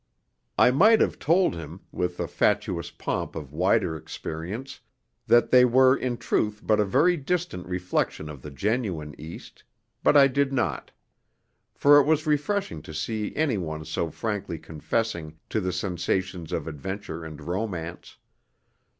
I might have told him, with the fatuous pomp of wider experience, that they were in truth but a very distant reflection of the genuine East; but I did not. For it was refreshing to see any one so frankly confessing to the sensations of adventure and romance.